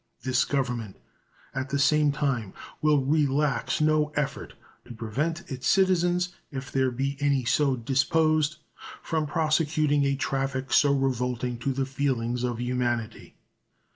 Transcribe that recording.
This Government, at the same time, will relax no effort to prevent its citizens, if there be any so disposed, from prosecuting a traffic so revolting to the feelings of humanity.